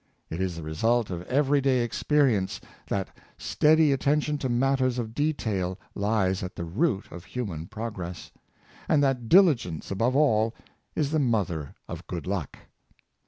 It is the result of every day experience, that steady attention to matters of detail lies at the root of human progress; and that diligence, above all, is the mother of good luck.